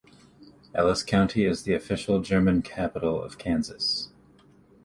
Ellis County is the official German Capital of Kansas.